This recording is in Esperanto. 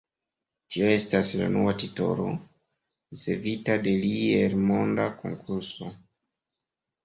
Tio estas la unua titolo, ricevita de li el monda konkurso.